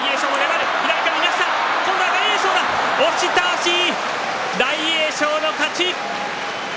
押し倒し、大栄翔の勝ち。